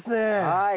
はい！